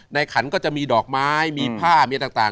ขันก็จะมีดอกไม้มีผ้ามีต่าง